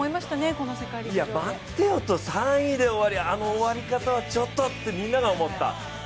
いや待ってよと、３位であの終わり方はちょっとってみんなが思った。